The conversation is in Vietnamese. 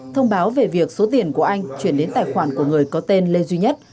thông báo về việc số tiền của anh chuyển đến tài khoản của người có tên lê duy nhất